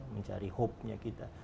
mencari harapannya kita